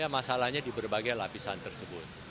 masalahnya di berbagai lapisan tersebut